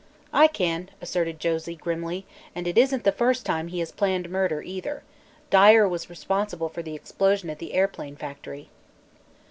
"I can," asserted Josie grimly, "and it isn't the first time he has planned murder, either. Dyer was responsible for the explosion at the airplane factory."